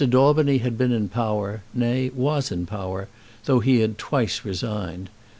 Daubeny had been in power, nay, was in power, though he had twice resigned.